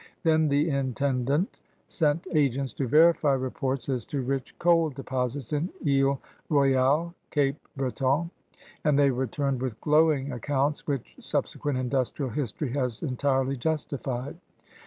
Then the intendant sent agents to verify reports as to rich coal deposits in Isle Royale (Cape Breton), and they returned with glowing accoimts which subsequ^it industrial history has entirely justified.